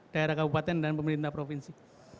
daerah kabupaten dan pemerintah provinsi